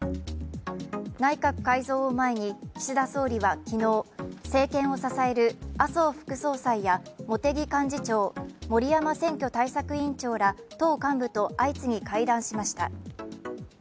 内閣改造を前に、岸田総理は昨日、政権を支える麻生副総裁や茂木幹事長、森山選挙対策委員長ら党幹部と相次ぎ会談しました。